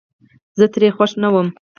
زه ترې خوښ نه ووم